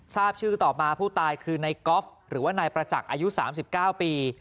ทราบชื่อต่อมาผู้ตายคือนายก๊อฟหรือว่านายประจักรอายุสามสิบเก้าปี